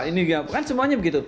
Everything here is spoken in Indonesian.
ini kan semuanya begitu